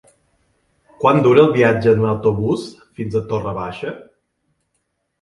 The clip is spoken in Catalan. Quant dura el viatge en autobús fins a Torre Baixa?